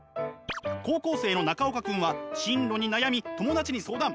高校生の中岡君は進路に悩み友達に相談。